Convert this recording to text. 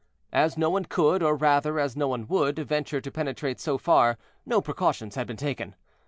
As no one could, or rather, as no one would, venture to penetrate so far, no precautions had been taken.